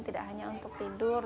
tidak hanya untuk tidur